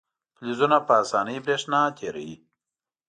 فلزونه په اسانۍ برېښنا تیروي.